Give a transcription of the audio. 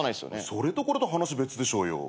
それとこれと話別でしょう。